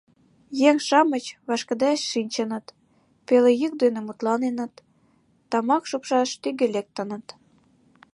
Еҥ-шамыч вашкыде шинчыныт, пеле йӱк дене мутланеныт, тамак шупшаш тӱгӧ лектыныт.